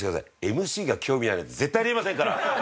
ＭＣが興味ないなんて絶対ありえませんから。